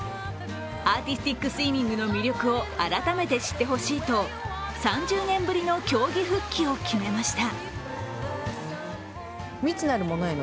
アーティスティックスイミングの魅力を改めて知ってほしいと、３０年ぶりの競技復帰を決めました。